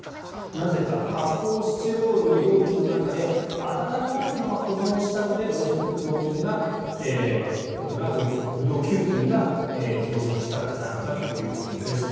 なぜか、発泡スチロールの容器の中で温かいまま保存したので黄色ブドウ球菌が増殖したんじゃないかということです。